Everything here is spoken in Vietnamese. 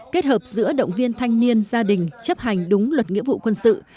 kết hợp giữa động viên thanh niên gia đình chấp hành đúng luật nghĩa vụ quân sự